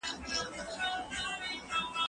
هغه وويل چي مکتب مهم دی،